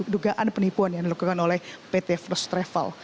dugaan penipuan yang dilakukan oleh pt first travel